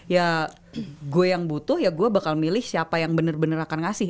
ya gue yang butuh ya gue bakal milih siapa yang benar benar akan ngasih